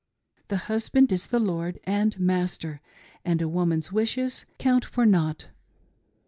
The husband is the lord and master, and a woman's wishes count for nought.